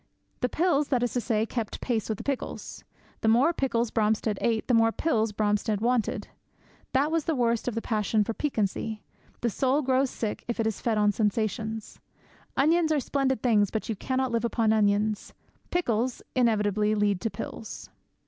The pills, that is to say, kept pace with the pickles. The more pickles Bromstead ate, the more pills Bromstead wanted. That is the worst of the passion for piquancy. The soul grows sick if fed on sensations. Onions are splendid things, but you cannot live upon onions. Pickles inevitably lead to pills.